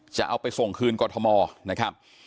จะเอาไปส่งคืนกฎธมอต์